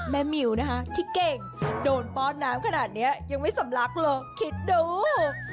มิวนะคะที่เก่งโดนป้อนน้ำขนาดนี้ยังไม่สำลักหรอกคิดดู